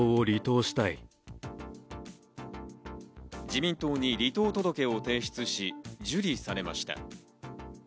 自民党に離党届を提出し、受理されました。